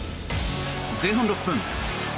前半６分。